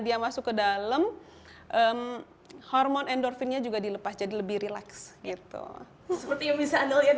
dia masuk ke dalam hormon endorfinnya juga dilepas jadi lebih relax gitu seperti yang bisa anda lihat